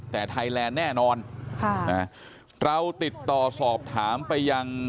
แต่ไทยแลนด์แน่นอนค่ะนะเราติดต่อสอบถามไปยัง